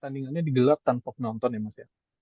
pertandingannya digelar tanpa penonton ya mas ya